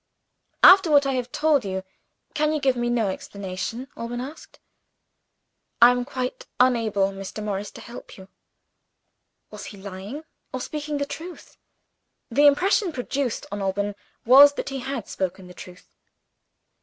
"After what I have told you, can you give me no explanation?" Alban asked. "I am quite unable, Mr. Morris, to help you." Was he lying? or speaking, the truth? The impression produced on Alban was that he had spoken the truth.